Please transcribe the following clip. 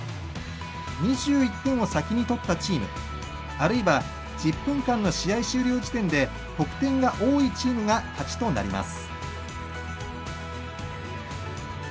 ２１点を先にとったチームあるいは１０分間の試合終了時点で得点が多いチームが勝ちとなります。